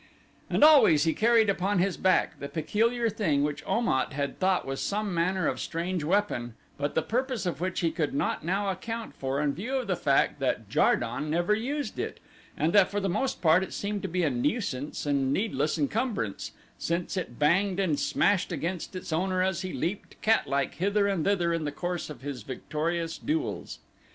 And always he carried upon his back the peculiar thing which Om at had thought was some manner of strange weapon but the purpose of which he could not now account for in view of the fact that Jar don never used it, and that for the most part it seemed but a nuisance and needless encumbrance since it banged and smashed against its owner as he leaped, catlike, hither and thither in the course of his victorious duels.